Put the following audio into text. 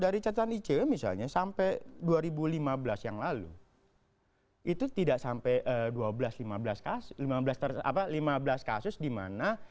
dari catatan icm misalnya sampai dua ribu lima belas yang lalu itu tidak sampai dua belas lima belas lima belas lima belas lima belas kasus dimana